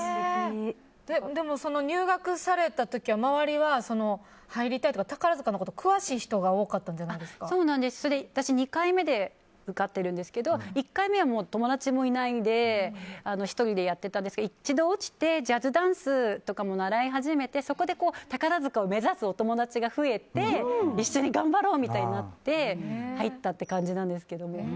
でも、入学された時は周りは入りたいとか宝塚に詳しい人が私、２回目で受かってるんですけど１回目は、友達もいないで１人でやってたんですけど一度落ちてジャズダンスとかも習い始めてそこで宝塚を目指すお友達が増えて一緒に頑張ろうみたいになって入ったって感じなんですけど。